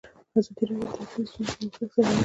ازادي راډیو د ټرافیکي ستونزې پرمختګ سنجولی.